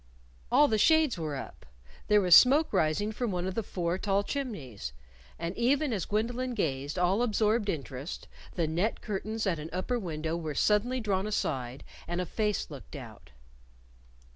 All the shades were up. There was smoke rising from one of the four tall chimneys. And even as Gwendolyn gazed, all absorbed interest, the net curtains at an upper window were suddenly drawn aside and a face looked out.